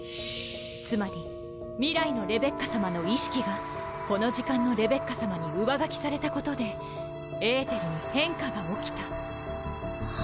つまり未来のレベッカさまの意識がこの時間のレベッカさまに上書きされたことでエーテルに変化が起きた。